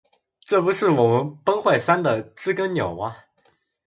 这不是我们崩坏三的知更鸟吗